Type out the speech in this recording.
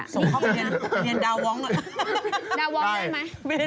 ส่งเข้าไปเรียนดาวองค์หน่อยก่อนแล้วพี่เห็นเหรอ